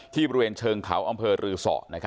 บริเวณเชิงเขาอำเภอรือสอ